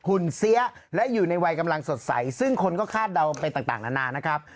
คุณเสียและอยู่ในวัยกำลังสดใสซึ่งคนก็คาดเดาไปต่างนานานะครับ